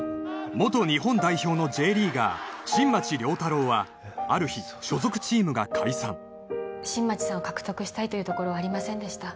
元日本代表のＪリーガー新町亮太郎はある日所属チームが解散新町さんを獲得したいというところはありませんでした